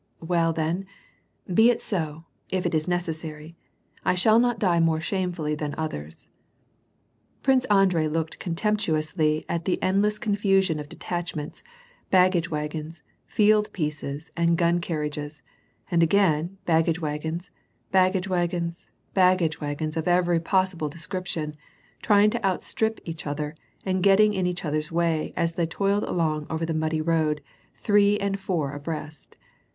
" Well then, be it so, if it is necessary. I shall not die more shamefully than others." Prince Andrei looked contemptuously at the endless confus ion of detachments, baggage wagons, field pieces and gun car riages, and again, baggage wagons, baggage wagons, baggage wagons, of every possible description, trying to outstrip each other, and getting in each other's way, as they toiled along over the muddy road, three and four abreast.